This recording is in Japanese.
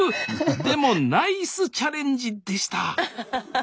でもナイスチャレンジでした。